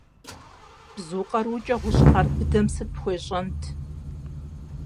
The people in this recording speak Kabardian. Бзу къарукӏэ гъущӏ хъар быдэм сыт пхуещӏэнт?